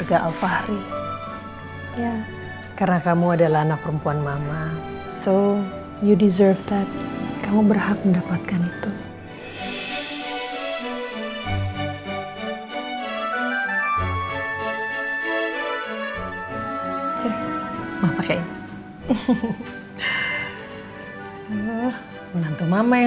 sampai jumpa di video selanjutnya